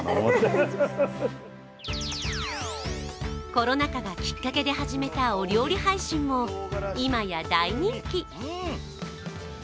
コロナ禍がきっかけで始めたお料理配信も今や大人気。